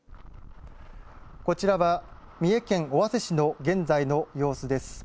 こちらは三重県尾鷲市の現在の様子です。